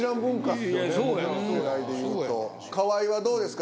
河井はどうですか？